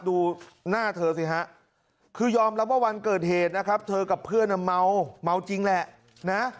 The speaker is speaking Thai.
ดูหน้าเธอสิฮะคือยอมรับว่าวันเกิดเหตุนะครับเธอกับเพื่อนเมาเมาจริงแหละนะ